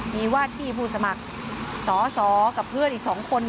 มีวาดที่ผู้สมัครสอสอกับเพื่อนอีก๒คน